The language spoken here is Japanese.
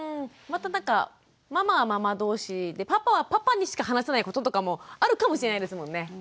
またなんかママはママ同士でパパはパパにしか話せないこととかもあるかもしれないですもんね。